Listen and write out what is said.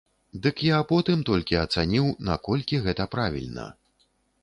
Дык я потым толькі ацаніў, наколькі гэта правільна.